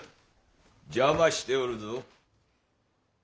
邪魔しておるぞ。